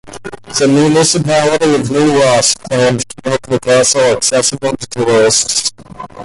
The municipality of New Ross planned to make the castle accessible to tourists.